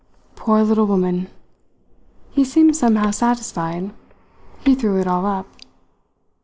Poor little woman!" He seemed somehow satisfied; he threw it all up.